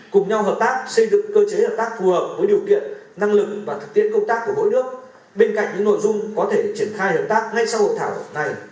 cùng nhau hợp tác xây dựng cơ chế hợp tác phù hợp với điều kiện năng lực và thực tiễn công tác của mỗi nước bên cạnh những nội dung có thể triển khai hợp tác ngay sau hội thảo này